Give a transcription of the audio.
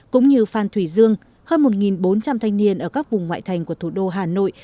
cũng như phan thủy dương hơn một bốn trăm linh thanh niên ở các vùng ngoại thành của thủ đô hà nội